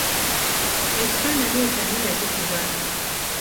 Ekifaananyi ekyo ani yakikuba?